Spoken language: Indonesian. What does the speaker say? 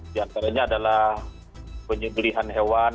di antaranya adalah penyebelihan hewan